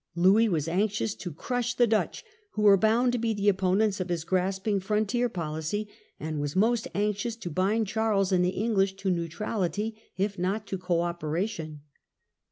Louis was anxious to crush the Dutch, who were bound to be the opponents of his grasping frontier pohcy, and was most anxious to bind Charles and the English to neutrality if not to co operation.